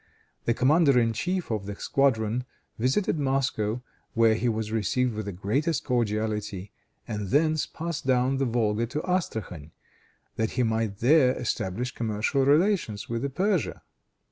The commander in chief of the squadron visited Moscow, where he was received with the greatest cordiality, and thence passed down the Volga to Astrachan, that he might there establish commercial relations with Persia.